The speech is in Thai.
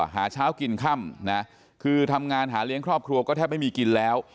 หาเช้ากินค่ำนะคือทำงานหาเลี้ยงครอบครัวก็แทบไม่มีกินแล้ว